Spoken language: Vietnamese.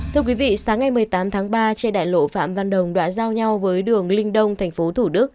sáng ngày một mươi tám tháng ba trên đại lộ phạm văn đồng đoạn giao nhau với đường linh đông tp thủ đức